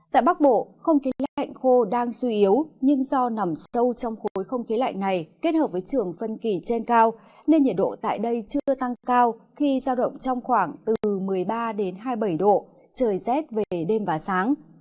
tại bắc bộ không khí lạnh khô đang suy yếu nhưng do nằm sâu trong khối không khí lạnh này kết hợp với trường phân kỳ trên cao nên nhiệt độ tại đây chưa tăng cao khi giao động trong khoảng từ một mươi ba đến hai mươi bảy độ trời rét về đêm và sáng